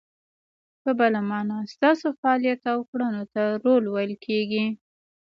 په بله مانا، ستاسو فعالیت او کړنو ته رول ویل کیږي.